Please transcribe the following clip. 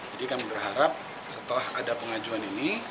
jadi kami berharap setelah ada pengajuan ini